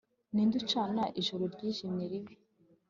Ninde ucana ijoro ryijimye ribi